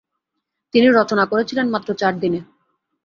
তিনি রচনা করেছিলেন মাত্র চারদিনে।